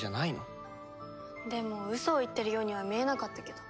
でもウソを言ってるようには見えなかったけど。